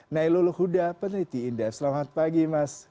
nailul huda peneliti indef selamat pagi mas